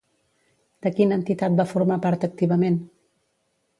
De quina entitat va formar part activament?